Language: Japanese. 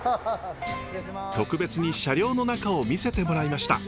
特別に車両の中を見せてもらいました。